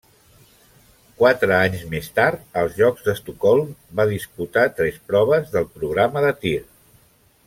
Quatre anys més tard, als Jocs d'Estocolm va disputar tres proves del programa de tir.